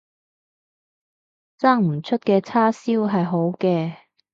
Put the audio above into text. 生唔出嘅叉燒係好嘅